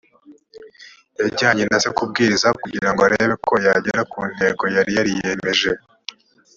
yajyanye na se kubwiriza kugira ngo arebe ko yagera ku ntego yari yariyemeje